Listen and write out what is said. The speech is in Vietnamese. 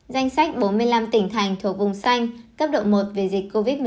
danh sách bốn mươi năm tỉnh thành thuộc vùng xanh cấp độ một về dịch covid một mươi chín